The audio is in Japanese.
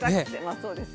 そうですね。